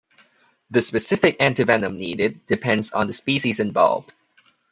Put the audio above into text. The specific antivenom needed depends on the species involved.